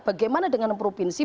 bagaimana dengan provinsi